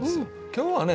今日はね